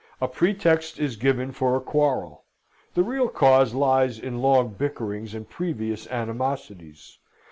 A pretext is given for a quarrel: the real cause lies in long bickerings and previous animosities.